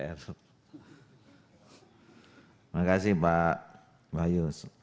terima kasih pak bayu